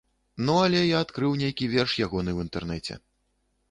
Ну але я адкрыў нейкі верш ягоны ў інтэрнэце.